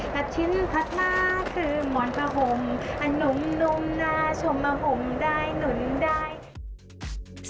แต่ชิ้นถัดมาคือหมอนผ้าห่มอันหนุ่มหน้าชมได้หนุนได้